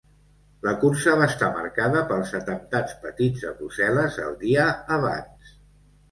La cursa va estar marcada pels atemptats patits a Brussel·les el dia abans.